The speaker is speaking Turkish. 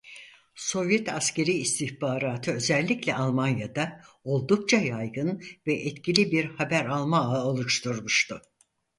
Sovyet askeri istihbaratı özellikle Almanya'da oldukça yaygın ve etkili bir haber alma ağı oluşturmuştu.